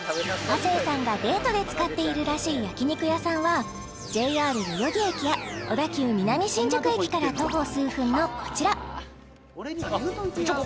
亜生さんがデートで使っているらしい焼肉屋さんはＪＲ代々木駅や小田急南新宿駅から徒歩数分のこちらあっ